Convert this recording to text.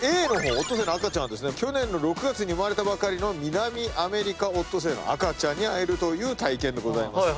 オットセイの赤ちゃんは去年の６月に生まれたばかりのミナミアメリカオットセイの赤ちゃんに会えるという体験でございます。